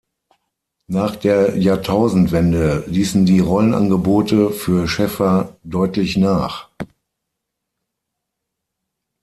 Nach der Jahrtausendwende ließen die Rollenangebote für Sheffer deutlich nach.